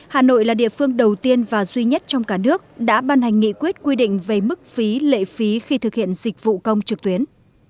hà nội là địa phương đầu tiên và duy nhất trong cả nước đã ban hành nghị quyết quy định về mức phí lệ phí khi thực hiện dịch vụ công trực tuyến